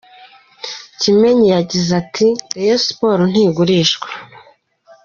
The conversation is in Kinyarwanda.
Kimenyi yagize ati: “ Rayon Sports ntigurishwa.